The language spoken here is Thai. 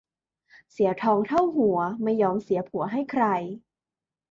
เสียทองเท่าหัวไม่ยอมเสียผัวให้ใคร